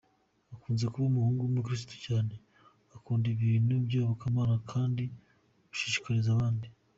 Akunze kuba umuhungu w’umukirisitu cyane , ukunda ibintu by’iyobokamana kandi ubishishikariza abandi.